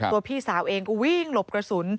พี่สาวเองก็วิ่งหลบกระสุน